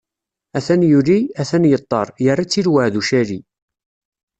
Atan yuli, atan yeṭṭer, yerra-tt i lweɛd ucali.